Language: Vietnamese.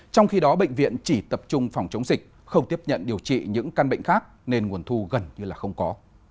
trong khi đó bệnh viện chỉ tập trung phòng chống dịch không tiếp nhận điều trị những căn bệnh khác nên nguồn thu gần như là không có